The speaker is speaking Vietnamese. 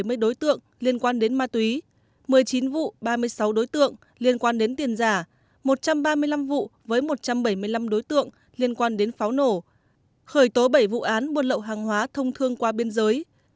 trong đó ba trăm một mươi năm vụ với bốn trăm bảy mươi đối tượng liên quan đến ma túy một mươi chín vụ ba mươi sáu đối tượng liên quan đến tiền giả một trăm ba mươi năm vụ với một trăm bảy mươi năm đối tượng liên quan đến pháo nổ khởi tố bảy vụ án buôn lậu hàng hóa thông thương qua biên giới